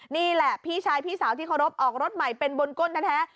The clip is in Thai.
นี่แหละพี่ชายพี่สาวที่เคารพออกรถใหม่เป็นบนก้นแท้